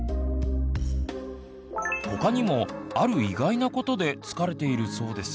他にもある意外なことで疲れているそうです。